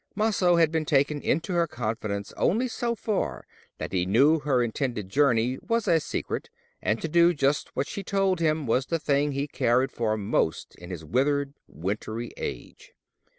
Maso had been taken into her confidence only so far that he knew her intended journey was a secret; and to do just what she told him was the thing he cared most for in his withered wintry age.